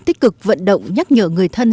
tích cực vận động nhắc nhở người thân